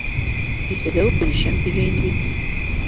Иртәгә үк белешәм тигәйне бит.